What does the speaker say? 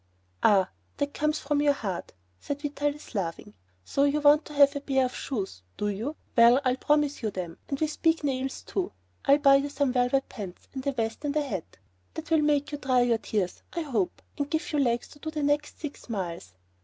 "Ah, that comes from your heart," said Vitalis, laughing. "So you want to have a pair of shoes, do you? Well, I'll promise you them and with big nails, too. And I'll buy you some velvet pants, and a vest and a hat. That'll make you dry your tears, I hope, and give you legs to do the next six miles."